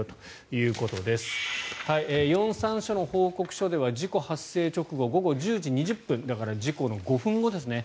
龍山署の報告書では事故発生直後午後１０時２０分だから事故の５分後ですね。